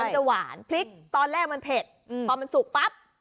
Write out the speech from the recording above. มันจะหวานพริกตอนแรกมันเผ็ดพอมันสุกปั๊บ